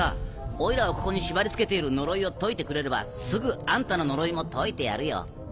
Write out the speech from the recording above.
オイラをここに縛り付けている呪いを解いてくれればすぐあんたの呪いも解いてやるよ。